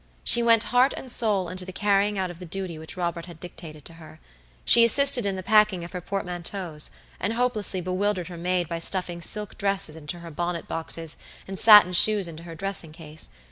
She went heart and soul into the carrying out of the duty which Robert had dictated to her. She assisted in the packing of her portmanteaus, and hopelessly bewildered her maid by stuffing silk dresses into her bonnet boxes and satin shoes into her dressing case.